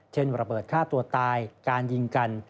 ระเบิดฆ่าตัวตายการยิงกัน